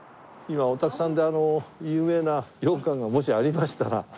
今お宅さんで有名な羊羹がもしありましたら。